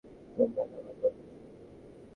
তোমরাই আমার গল্পের চরিত্র।